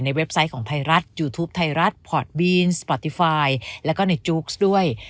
เว็บไซต์ของไทยรัฐยูทูปไทยรัฐพอร์ตบีนสปอร์ตตี้ไฟล์แล้วก็ในจู๊กซ์ด้วย